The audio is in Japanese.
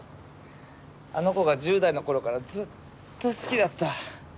あの子が１０代の頃からずっと好きだった。